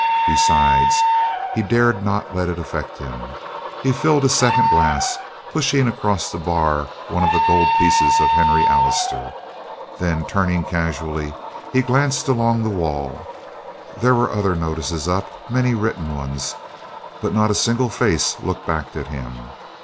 Besides, he dared not let it affect him. He filled a second glass, pushing across the bar one of the gold pieces of Henry Allister. Then, turning casually, he glanced along the wall. There were other notices up many written ones but not a single face looked back at him.